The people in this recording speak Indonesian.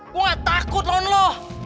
gue gak takut lawan lo